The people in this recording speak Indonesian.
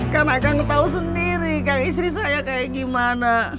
karena kang tahu sendiri kang istri saya kayak gimana